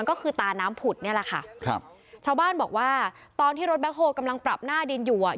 ก็คือตาน้ำผุดนี่แหละค่ะครับชาวบ้านบอกว่าตอนที่รถแบ็คโฮลกำลังปรับหน้าดินอยู่อ่ะ